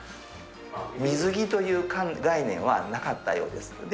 水着という概念はなかったようです。